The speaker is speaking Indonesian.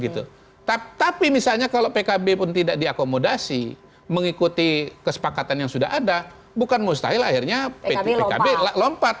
tapi misalnya kalau pkb pun tidak diakomodasi mengikuti kesepakatan yang sudah ada bukan mustahil akhirnya pkb lompat